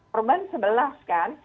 perubahan sebelas kan